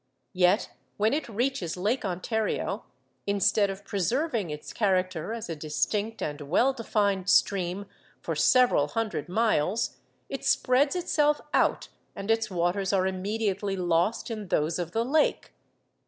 Yet when it reaches Lake Ontario, 'instead of preserving its character as a distinct and well defined stream for several hundred miles, it spreads itself out, and its waters are immediately lost in those of the lake.